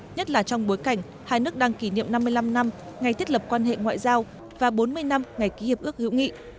nhất là trong bối cảnh hai nước đang kỷ niệm năm mươi năm năm ngày thiết lập quan hệ ngoại giao và bốn mươi năm ngày ký hiệp ước hữu nghị